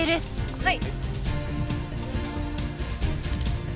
はい。